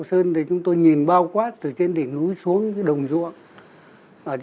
ở đỉnh núi sóc sơn thì chúng tôi nhìn bao quát từ trên đỉnh núi xuống cái đồng ruộng